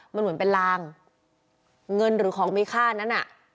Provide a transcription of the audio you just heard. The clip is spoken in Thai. มันเหมือนเป็นลางเงินหรือของมีค่านั้นน่ะ